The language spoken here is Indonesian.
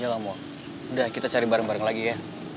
ya lah mo udah kita cari bareng bareng lagi ya